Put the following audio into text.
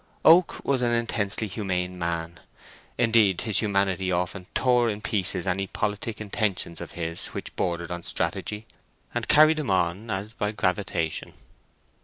Oak was an intensely humane man: indeed, his humanity often tore in pieces any politic intentions of his which bordered on strategy, and carried him on as by gravitation.